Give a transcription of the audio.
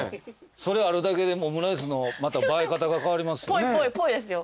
それあるだけでオムライスのまた映え方が変わりますよ。